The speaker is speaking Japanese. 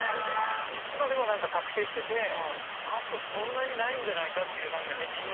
３つまでは確定しててあとそんなにないんじゃないかっていう何かねみんなの。